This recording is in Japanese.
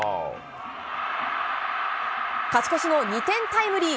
勝ち越しの２点タイムリー。